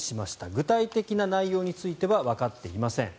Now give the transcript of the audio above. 具体的な内容についてはわかっていません。